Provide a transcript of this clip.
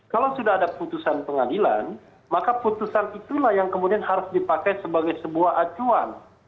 kalau sudah ada putusan pengadilan maka putusan itulah yang kemudian harus dipakai sebagai sebuah acuan